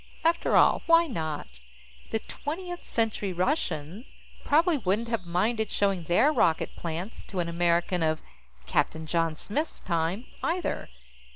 After all, why not? The Twentieth Century Russians probably wouldn't have minded showing their rocket plants to an American of Captain John Smith's time, either.